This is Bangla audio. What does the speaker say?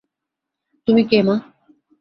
তুমি কে মা?